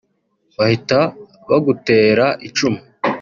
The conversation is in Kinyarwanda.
bahita bagutera icumu